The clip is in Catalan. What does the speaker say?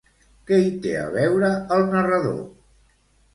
Què hi té a veure el narrador?